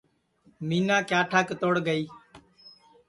مِینا کِیاٹھا کِتوڑ گئی